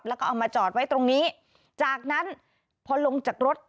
แล้วก็เอามาจอดไว้ตรงนี้จากนั้นพอลงจากรถ